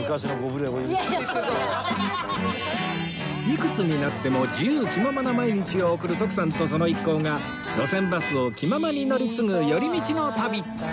いくつになっても自由気ままな毎日を送る徳さんとその一行が路線バスを気ままに乗り継ぐ寄り道の旅